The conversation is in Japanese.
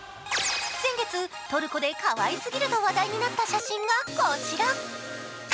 先月、トルコでかわいすぎると話題になった写真がこちら。